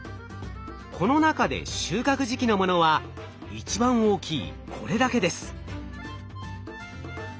この中で収穫時期のものは一番大きいこれだけです。